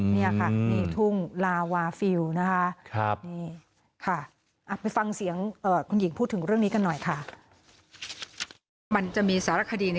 นี่ค่ะทุ่งลาวาฟิลล์นะคะ